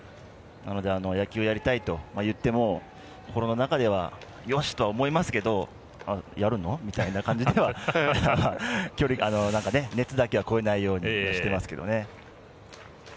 野球をやりたいといっても心の中ではよしとは思いますけどやるの？っていうような感じで熱だけは超えないようにしてますけど。